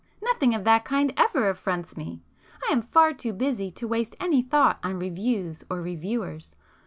Nothing of that kind ever affronts me,—I am far too busy to waste any thought on reviews or reviewers.